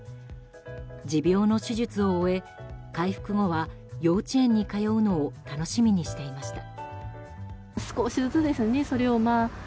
持病の手術を終え、回復後は幼稚園に通うのを楽しみにしていました。